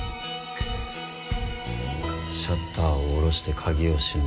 ・シャッターを下ろして鍵を閉め